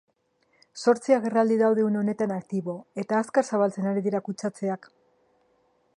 Zortzi agerraldi daude une honetan aktibo, eta azkar zabaltzen ari dira kutsatzeak.